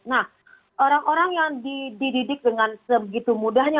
nah orang orang yang dididik dengan sebegitu mudahnya